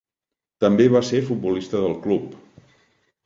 També va ser futbolista del club.